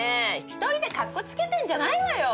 一人でかっこつけてんじゃないわよ